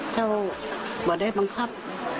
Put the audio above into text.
เจ้าไม่ได้บังคับ